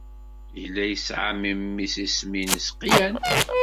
Yella yesɛa memmi-s isem-nnes Qian.